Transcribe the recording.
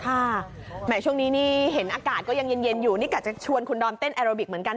แหม่ช่วงนี้นี่เห็นอากาศก็ยังเย็นอยู่นี่กะจะชวนคุณดอมเต้นแอโรบิกเหมือนกัน